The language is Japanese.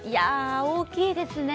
大きいですね。